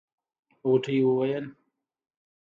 غوټۍ وويل.